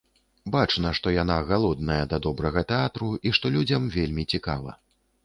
Бачна, што яна галодная да добрага тэатру і што людзям вельмі цікава.